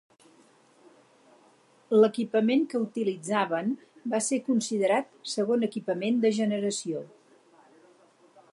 L'equipament que utilitzaven va ser considerat segon equipament de generació.